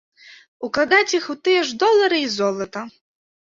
Укладаць іх у тыя ж долары і золата.